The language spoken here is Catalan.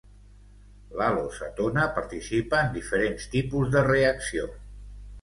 L'halocetona participa en diferents tipus de reacció.